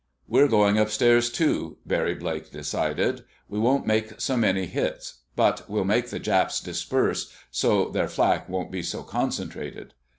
"We're going upstairs, too," Barry Blake decided. "We won't make so many hits, but we'll make the Japs disperse, so their flak won't be so concentrated."